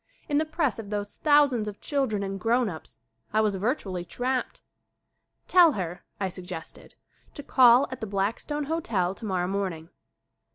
In the press of those thousands of children and grown ups I was virtually trapped. "Tell her," I suggested, "to call at the Black stone Hotel tomorrow morning."